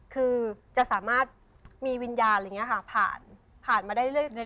คือจะสามารถมีวิญญาณแบบนี้ละค่ะเพิ่งผ่านมาได้เรื่อย